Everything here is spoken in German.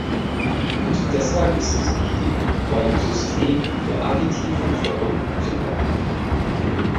Und deshalb ist es wichtig, bei dem System der additiven Förderung zu bleiben.